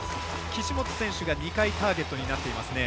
岸本選手が２回ターゲットになっていますね。